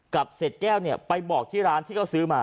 เสร็จแก้วเนี่ยไปบอกที่ร้านที่เขาซื้อมา